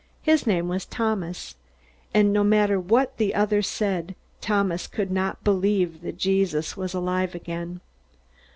His name was Thomas. And no matter what the others said, Thomas could not believe that Jesus was alive again.